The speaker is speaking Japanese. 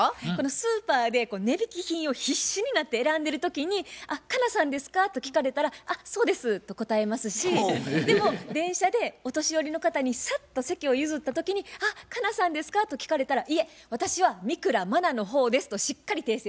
スーパーで値引き品を必死になって選んでる時に「あっ佳奈さんですか？」と聞かれたら「あっそうです」と答えますしでも電車でお年寄りの方にさっと席を譲った時に「あっ佳奈さんですか？」と聞かれたら「いえ私は三倉茉奈の方です」としっかり訂正します。